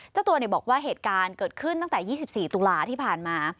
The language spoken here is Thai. เจ้าตัวบอกว่าเหตุการณ์เกิดขึ้นตั้งแต่๒๔ตุลาที่ผ่านมา